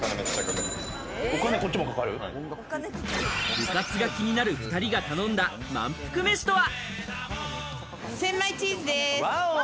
部活が気になる２人が頼んだまんぷく飯とは？